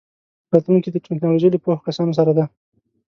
راتلونکی د ټیکنالوژۍ له پوهو کسانو سره دی.